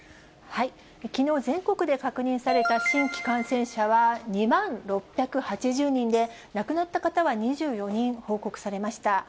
きのう、全国で確認された新規感染者は２万６８０人で、亡くなった方は２４人報告されました。